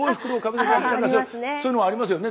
そういうのありますよね